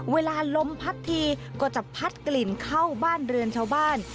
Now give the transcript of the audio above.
ลมพัดทีก็จะพัดกลิ่นเข้าบ้านเรือนชาวบ้าน